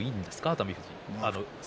熱海富士。